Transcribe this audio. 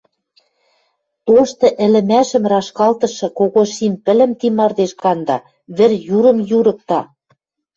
Тошты ӹлӹмӓшӹм рашкалтышы кого шим пӹлӹм ти мардеж канда, вӹр юрым юрыкта.